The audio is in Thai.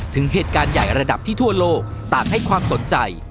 ถึงเหตุการณ์ใหญ่ระดับที่ทั่วโลกต่างให้ความสนใจ